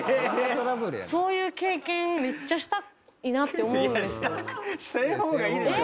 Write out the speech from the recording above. そういう経験めっちゃしたいなって思う。